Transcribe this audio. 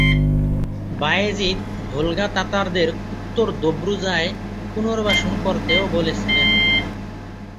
Bayzid Volga তাতারদের উত্তর দোব্রুজায় পুনর্বাসন করতে ও বলেছিলেন।